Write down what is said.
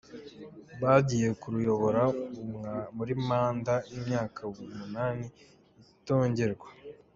Bagiye kuruyobora muri manda y’imyaka umunani itongerwa.